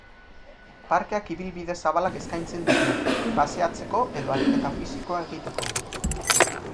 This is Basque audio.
Parkeak ibilbide zabalak eskaintzen ditu, paseatzeko edo ariketa fisikoa egiteko.